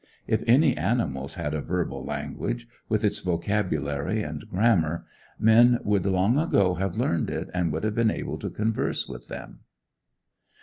If any animals had a verbal language, with its vocabulary and grammar, men would long ago have learned it, and would have been able to converse with them.